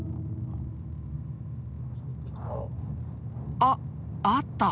あっあった。